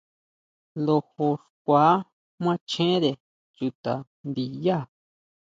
Lojo xkua machere chuta ndiyá.